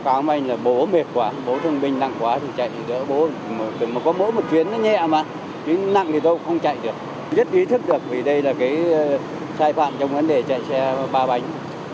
chẳng hạn là một chiếc xe chạy xe ba bánh